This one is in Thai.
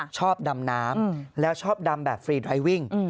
ชอบดำน้ำแล้วชอบดำแบบฟรีไทวิ่ง